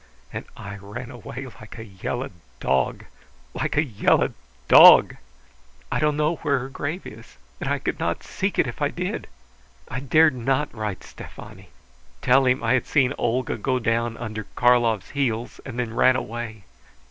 And I ran away like a yellow dog, like a yellow dog! I don't know where her grave is, and I could not seek it if I did! I dared not write Stefani; tell him I had seen Olga go down under Karlov's heels, and then ran away!...